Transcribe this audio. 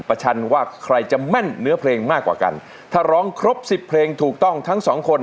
ชันว่าใครจะแม่นเนื้อเพลงมากกว่ากันถ้าร้องครบสิบเพลงถูกต้องทั้งสองคน